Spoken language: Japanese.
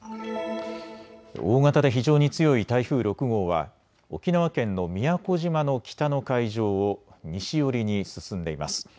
大型で非常に強い台風６号は沖縄県の宮古島の北の海上を西寄りに進んでいます。